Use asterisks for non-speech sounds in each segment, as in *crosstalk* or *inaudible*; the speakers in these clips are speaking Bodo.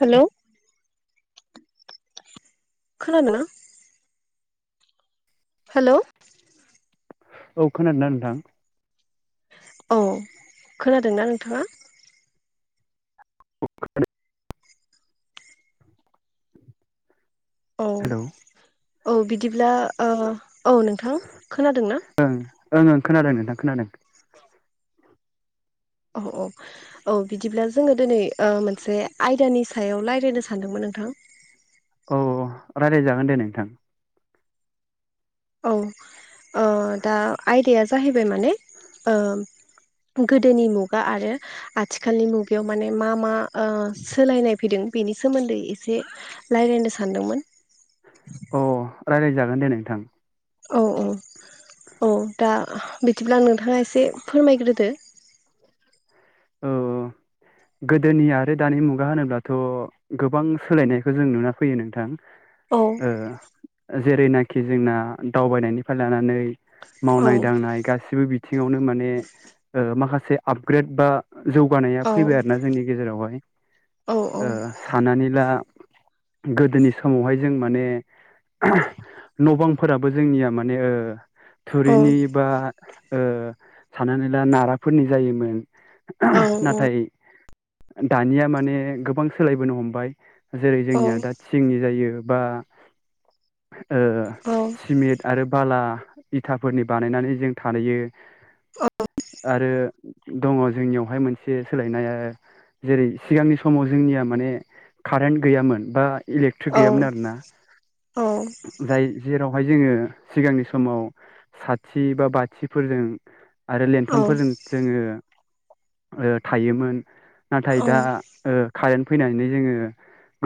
हेलौ। खोनादोना? हेलौ औ खोनादो ना नोंथां? औ। खोनादों ना नोंथाङा? औ हेलौ औ बिदिब्ला अह औ नोंथां खोनादों ना? ओं ओं ओं खोनादों खोनादों। औ औ औ बिदिब्ला जोङो दिनै ओ मोनसे आयदानि सायाव रायलायनो सानदोंमोन नोंथां। औ रायलायजागोन दे नोंथां। औ अ दा आयदाया जाहैबाय माने ओम गोदोनि मुगा आरो आथिखालनि मुगायाव माने मा मा ओ सोलायनाय फैदों बेनि सोमोन्दै एसे रायलायनो सानदोमोन। अ रायलाय जागोन दे नोंथां। औ औ औ दा बिदिब्ला नोंथाङा एसे फोरमायग्रोदो। *unintelligible* औ। गोदोनि आरो दानि मुगा होनोब्लाथ' गोबां सोलायनायखौ जों नुना फैयो नोंथां। औ ओ जेरैनाखि जोंना दावबायनायनिफ्राय लानानै औ मावनाय दांनाय गासिबो बिथिङावनो माने ओ माखा से आपग्रेड बा जौगानाया औ फैबाय आरो ना जोंनि गेजेरावहाय। नोंथाङा ओ सानानै ला गोदोनि समावहाय जों माने *unintelligible* न' बांफोराबो जोंनिया माने ओ थुरिनि बा ओ साननानै ला नाराफोरनि जायोमोन। नाथाय दानिया माने गोबां सोलायबोनो हमबाय। जेरै जोंनिया दा थिंनि जायो बा ओ सिमेट आरो बाला इथाफोरनि बानायनानै जों थायो। आरो दङ' जोंनियावहाय मोन से सोलायनाया जेरै सिगांनि समाव जोंनिया माने कारेन्ट गैयामोन बा इलेक्ट्रिक गैयामोन आरो ना। जाय जेराव बेवहाय जोङो सिगांनि समाव साथि बा बाथिफोरजों आरो लेन्थनफोरजों जोङो ओ थायोमोन नाथाय दा ओ कारेन्ट फैनानै जोङो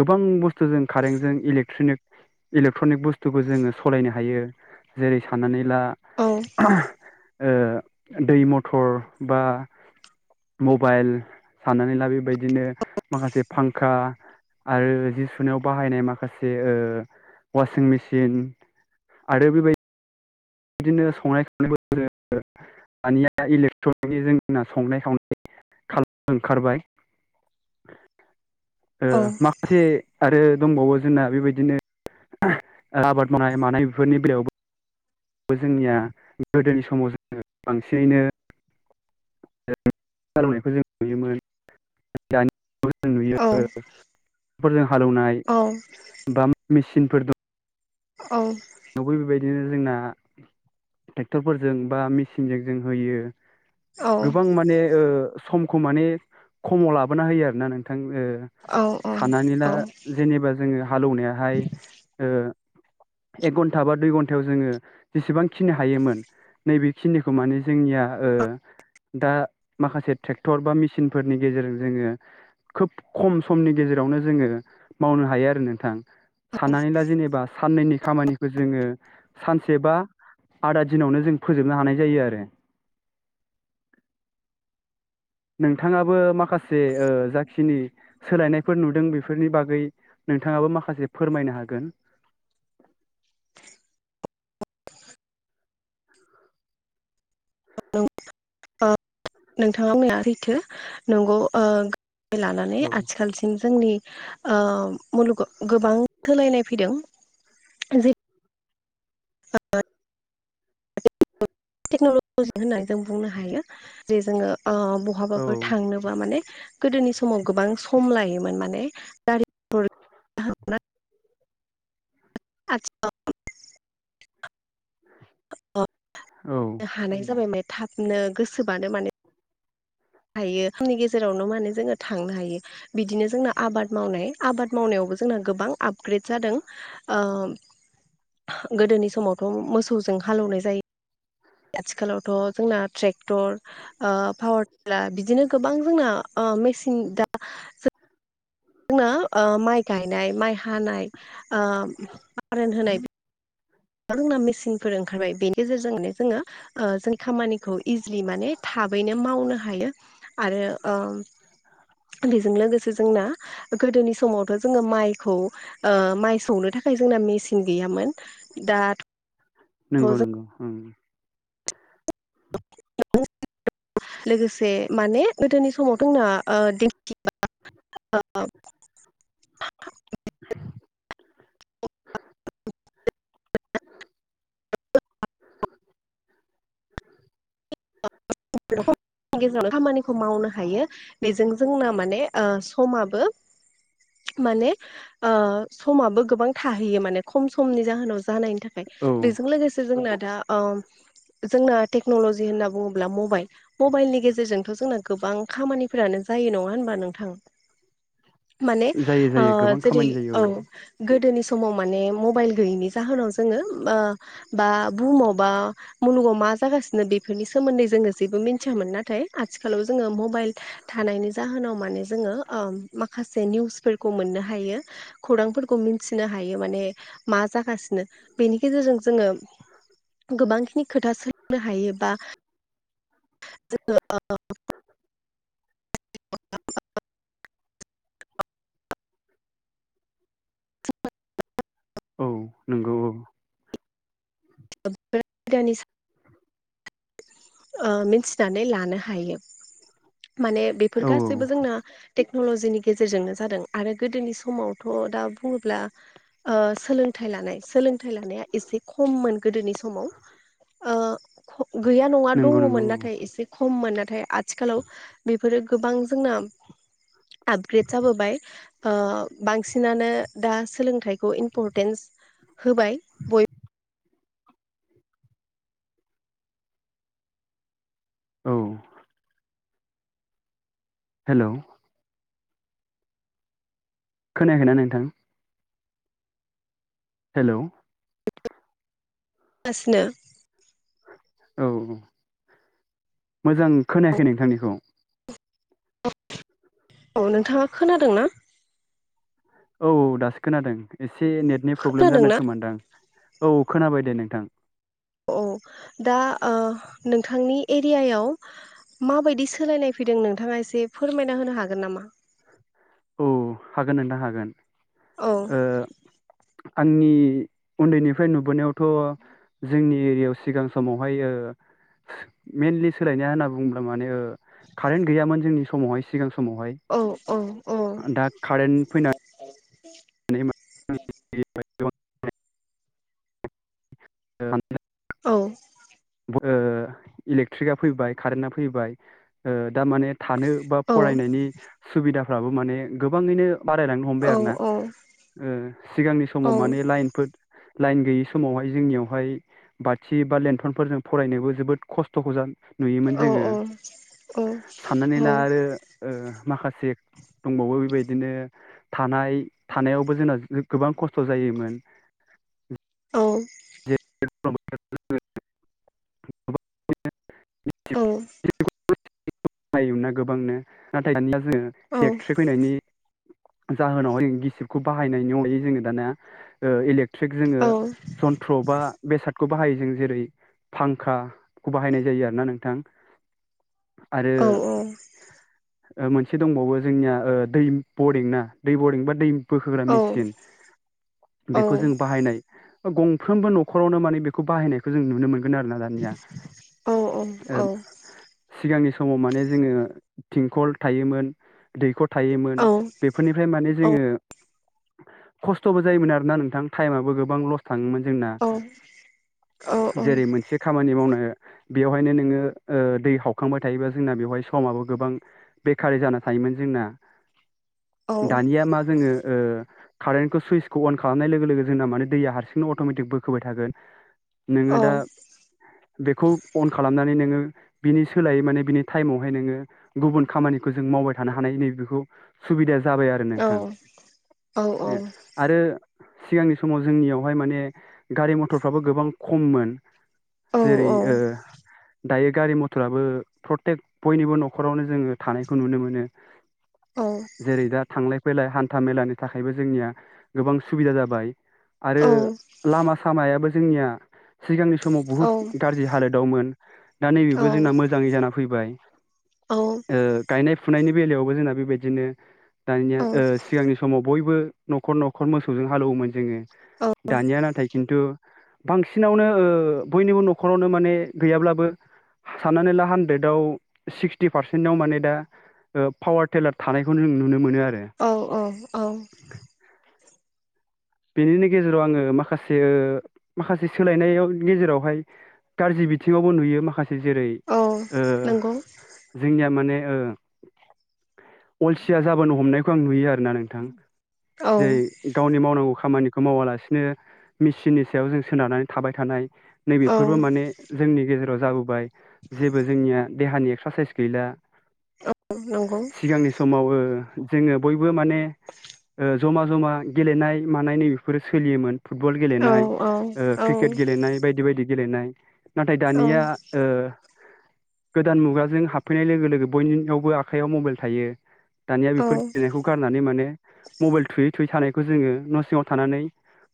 गोबां बुस्थुजों कारेन्टजों इलेक्ट्रनिक इलेक्ट्रनिक बुस्थुखौ जोङो सालायनो हायो जेरै साननानै ला बुंनाया दै मथर बा मबाइल साननानै ला बेबायदिनो माखासे फांखा आरो जि सुनायाव बाहायनाय माखासे ओ वासिं मेसिन आ बे बाय बिदिनो संनाय खावनायबो दानिया इलेक्ट्रनिकनि जोंना संनाय खावनाय खालाम ओंखारबाय *inaudible* ओ माखासे आरो दंबावो जोंना बेबायदिनो आबाद मावनाय मानाय बेफोरनि बेलायावबो जोंनिया गोदोनि समाव जोङो बांसिनैनो ओ हाल एवनायखौ जों नुयोमोन। दानि खौ जों नुयो *unintelligible* जों हालौवनाय बा सिनफोर दं। औ। नंगौ बेबायदिनो जोंना ट्रेक्टरफोरजों बा मेसिनजों जों होयो। गोबां माने ओ समखौ माने खमाव लाबोना होयो आरोना नों थां ओ साननानै ला जेनेबा जोङो हालौनायाहाय ओ एक घन्टा बा दुइ घन्टायाव जोङो जेसेबां खिनो हायोमोन नै बेखिनिखौ माने जोंनिया ओ दा माखासे ट्रेक्टर बा मेसिनफोरनि गेजेरजों जोङो खोब खम समनि गेजेरावनो जोङो मावनो हायो आरो नोंथां साननानै ला जेनेबा साननैनि खामानिखौ जोङो सानसे बा आदा दिनावनो जों फोजोबनो हानाय जायो आरो। *inaudible* नोंथाङाबो माखासे ओ जाखिनि सोलायनायफोर नुदों बेफोरनि बागै नोंथाङाबो माखासे फोरमायनो हागोन *inaudible* ओ नोंथाङा मैया रैथो नंगौ ओ लानानै औ आथिखालसिम जोंनि ओ मुलुगाव गोबां सोलायनाय फैदों जे *inaudible* टेक्न'लजि होननानै जों बुंनो हायो जे जोङो ओ बहाबाफोर औ थांनोबा माने गोदोनि समाव गोबां सम लायोमोन माने गारि मथर आतसा। औ। औ हानाय जाबाय माने थाबनो गोसोबानो माने हायो फुंनि गेजेरावनो माने जोङो थांनो हायो बिदिनो जोंना आबाद मावनाय आबाद मावनायाव जोंना गोबां आपगरेथ जादों गोदोनि समावथ मोसौजों हालोवनाय जायो। आथिखालावथ जोंना ट्रेक क्टर पावार टिलार बिदिनो गोबां जोंना मेसिन दा दों जोंना ओ माइ गायनाय माइ हानाय आ फारन होनाय आरो जोंना मेसिनफोर ओंखारबाय बेनि गेजेरजों माने जोङो ओ जोंनि खामानिखौ इजिलि माने थाबैनो मावनो हायो आरो ओम बेजों लोगोसे जोंना हो गोदोनि समावथ जोङो माइखौ ओ माइ सौनो थाखाय जोंना मेचन गैयामोन हो दा नोंगौ नोंगौ ओ *unintelligible* लोगोसे माने गोदोनि समाव जोंना ओ *inaudible* औ *inaudible* *inaudible* गेजेरावनो खामानिखौ मावनो हायो बेजों जोंना माने ओ समाबो माने ओ समाबो गोबां थाहैयो माने खम समनि जाहोनाव जानायनि थाखाय बेजों औ लोगोसे जोंना दा ओम जोंना टेक्नलजि होनना बुङो ब्ला मबाइल मबाइलनि गेजेरजोंथ जोंना गोबां खामानिफोरानो जायो नङा होनबा नोंथां? *inaudible* माने जायो हो जायो ओ गोबां जेरै खामानि जायो औ गोदोनि समाव माने मबाइल जाहोनाव जोङो ओम बा बुहुमाव बा मुलुगाव मा मा जागासिनो बेफोरनि सो सोमोन्दै जोङो जेबो मिथियामोन नाथाय आथिखालाव जोङो मबाइल थानायनि जाहोनाव माने जोङो आ माखासे निउसफोरखौ मोननो हायो खौरांफोरखौ मिथिनो हायो माने मा ज जागासिनो बेनि गेजेरजों जोङो गोबांखिनि खोथा सोलोंनो हायो बा जोङो ओ *unintelligible* *unintelligible* औ नंगौ औ *unintelligible* ओ मिथिनानै लानो हायो माने बेफोर औ गासैबो जोंना टेक्नलजिनि गेजेरजोंनो जादों आरो गोदोनि समावथ दा बुङोब्ला ओ सोलोंथाइ लानाय सोलोंथाइ लानाया एसे खममोन गोदोनि समाव ओ गैया नङा नंगौ नंगौ दङमोन नाथाय औ एसे खममोन नाथ थाय आथिखालाव हो बेफोरो गोबां जोंना आपग्रेड जाबोबाय ओ बांसिनानो दा सोलोंथाइखौ इम्परटेन्स होबाय बयब औ हेल खोनायाखैना नोंथां? हेलौ गासिनो औ मोजां खोनायाखै नोंथांनिखौ। औ नोंथाङा खोनादों ना? औ दासो खोनादों एसे नेटनि प्रब्लेम जादों खोनादोंना खोमानदां औ खोनाबाय दे नोंथां। औ दा ओ नोंथांनि एरियायाव हा माबायदि सोलायनाय फैदों नोंथाङा एसे फोरमायना होनो हागोन नामा? औ हागोन नोंथां हागोन औ ओ आंनि उन्दैनिफ्राय नुबोनायावथ जोंनि एरियायाव सिगां समावहाय ओ मेएनलि सोलायनाया होनना बुङोब्ला माने ओ कारेन्ट गैयामोन जोंनि समावहाय सिगां सम औ औ औ दा कारेन्ट फैनाय *inaudible* *unintelligible* औ ओ इलेकट्रिकआ फैबाय कारेन्टा फैबाय ओ दा माने थानो बा औ फरायनायनि सुबिदाफ्राबो माने गोबाङैनो बारायलांनो हमबाय औ आरो ना ओ सिगांनि औ समाव माने लाइनफोर लाइन गैयि समावहाय जोंनियावहाय बाथि बा लन फोरजों फरायनोबो जोबोद खस्थखौजोंं नुयोमोन जोङो साननानै ला आरो ओ माखासे दंबावो बेबायदिनो थानाय थानायावबो जोंना गोबां खस्थ जायोमोन। *unintelligible* *unintelligible* *unintelligible* नायोमोनना गोबांनो नाथाय दानिया जोङो एक्ट्रिक फैनायनि जाहोनावहाय गिसिबखौ बाहायनायनि अनगायै जोङो दानिया इलेक थ्रिक जोङो जन्थ्र बा बेसाद खौ बाहायो जों जेरै फांखाखौ बाहायनाय जायो आरोना नोंथां। आरो औ औ ओ मोनसे दंबावो जोंनिया ओ दै बरिं ना दै बरिं बा दै बोखोग्रा मेसिन औ बेखौ जों बाहायनाय गंफ्रोमबो नखरावनो माने बेखौ बाहायनायखौ जों नुनो मोनो। आरोना दानिया ओ सिगांनि समाव माने जोङो थिंखल थायोमोन दैखर थायोमोन। बेफोरनिफ्राय माने जोङो खस्थबो जायोमोन आरोना नोंथां टाइमाबबो गोबां लस थाङोमोन जोंना जेरै मोनसे खामानि मावनाय बेवहायनो नोङो ओ दै हावखांबाय थायोबा जोंना बेवहाय समाबो गोबां बेखार जानानै थायोमोन जोंना। *inaudible* दानिया मा जोङो ओ कारेन्टखौ सुइसखौ अन खालामनाय लोगो लोगो जोंना माने दैया हारसिंनो अटमेटिक बोखोबाय थागोन। नोङो दा बेखौ अन खालामनानै नो बिनि सोलायै माने बिनि टाइमावहाय नोङो गुबुन खामानिखौ जों मावबाय थानो हानाय नैबेखौ सुबिदाया जाबाय आरो नोंथां आरो सिगांनि समाव जोंनियावहाय माने गारि मथरफ्राबो गोबां खममोन। जेरै ओ दायो गारि मथराबो प्रतेक बयनिबो नखरावनो जोङो थानायखौ नुनो मोनो। जेरै दा थांलाय फैलाय हान्था मेलानि थाखायबो जोंनिया गोबां सुबिदा जाबाय। आरो लामा सामायाबो जोंनिया। सिगांनि समाव बुहुद गाज्रि हालोदावमोन। दा नैबेबो जोंना मोजाङै जाना फैबाय गायनाय। फुनायनि बेलायावबो जोंना बेबायदिनो। दानिया ओ सिगांनि समाव बयबो नखर उम नखर मोसौजों हालौवोमोन जोङो। दानिया नाथाय खिन्थु बांसिनावनो बयनिबो नखरावनो माने गैयाब्लाबो। साननानै ला हान्द्रेदाव सिक्सटि पारसेन्टाव माने दा पावार टेलार थानाय। खौ जों नुनो मोनो आरो। औ औ औ बेनिनो गेजेराव आङो माखासे माखासे सोलायनायाव गेजेरावहाय। गाज्रि बिथिङावबो नुयो माखा जेरै औ ओ नंगौ जोंनिया माने ओ अलसिया जाबोनो हमनायखौ आं नुयो आरोना नोंथां औ जे गावनि मावनांगौ। खामानिखौ मावालासिनो मेसिननि सायाव जों सोनारनानै थाबाय थानाय। नैबेफोरबो औ माने जोंनि गेजेराव जाबोबाय जेबो जोंनिया देहानि एक्सारसाइस गैला नंगौ सिगांनि समाव ओ जोङो बयबो माने ओ जमा जमा गेलेनाय मानाय नैबेफोरो सोलियोमोन। फुटबल औ गेलेनाय औ ओ औ क्रिकेट गेलेनाय बायदि बायदि गेलेनाय नाथाय औ दानिया ओ गोदान मुगाजों हाबफैनाय लोगो लोगो बयनियावबो आखायाव मबाइल थायो दानिया औ बेफोर गेलेनायखौ गारनानै माने मबाइल थुयै थुयै थानायखौ जोङो न सिङाव थानानै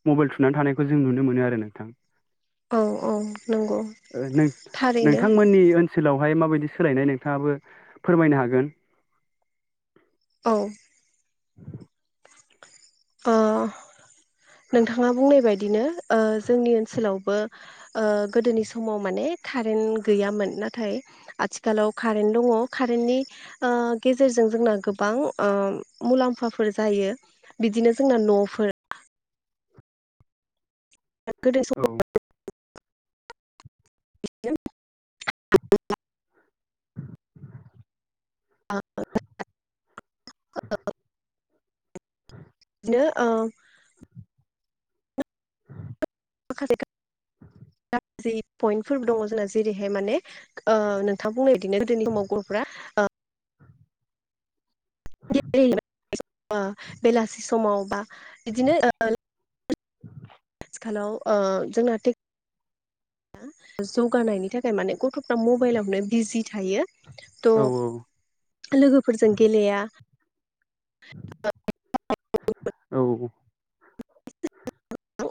मबेल थुनानै थानायखौ जों नुनो मोनो आरो नोंथां औ औ नंगौ ओ थारैनो नों-नोंथांमोननि ओन सोलावहाय माबायदि सोलायनाय नोंथाङाबो फोरमायनो हागोन औ *inaudible* औ नोंथाङा बुंनाय बायदिनो ओ जोंनि ओनसोलावबो ओ गोदोनि समाव माने कारेन्ट गैयामोन नाथाय आथिखालाव कारेन्ट दङ कारेन्टनि ओ गेजे जों जोंना गोबां ओम मुलाम्फाफोर जायो बिदिनो जोंना न'फोर गोदो औ *unintelligible* *unintelligible* *unintelligible* बिदिनो ओं माखासे गाज्रि पइन्टफोरबो दङ जोंना जेरैहाय माने ओ नोंथां बुंनाय बिदिनो गोदोनि समाव गथफ्रा ओ *unintelligible* बेलासि समाव बा बिदिनो *inaudible* हेलौ ओ जोंना थेख जौगानायनि थाखाय माने गथफ्रा मबाइलावनो बिजि थायो थ औ लोगोफोरजों गेलेया औ